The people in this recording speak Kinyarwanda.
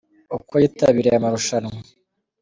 Uko yitabiriye amarushanwa .